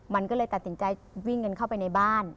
มันก็เลยตัดสินใจวิ่งกันเข้าไปในบ้าน